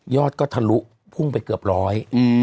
อดก็ทะลุพุ่งไปเกือบร้อย